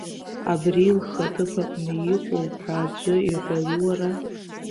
Абриа лхы аҭыԥ аҟны иҟоуп ҳәа аӡәы иҳәару, уара?